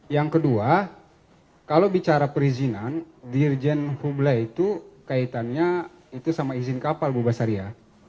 yang kedua kalau bicara perizinan dirjen hubla itu kaitannya itu sama izin kapal bu basaria